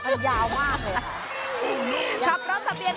สุดยาวมากเนี้ย